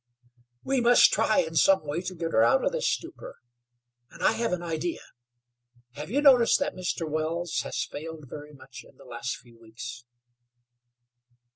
"We must try in some way to get her out of this stupor, and I have an idea. Have you noticed that Mr. Wells has failed very much in the last few weeks?"